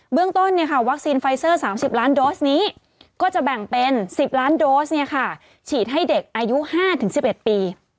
เรื่องต้นวัคซีนไฟเซอร์๓๐ล้านโดสนี้ก็จะแบ่งเป็น๑๐ล้านโดสฉีดให้เด็กอายุ๕๑๑ปี